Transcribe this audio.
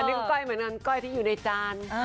อันนี้ก็ก้อยเหมือนก้อยที่อยู่ในจาน